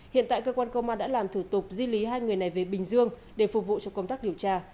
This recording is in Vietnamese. hiện tại cơ quan công an đã làm thủ tục di lý hai người này về bình dương để phục vụ cho công tác điều tra